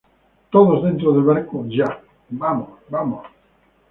todos dentro del barco, ¡ ya! ¡ vamos, vamos!